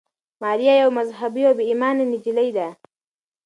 ماریا یوه مذهبي او با ایمانه نجلۍ ده.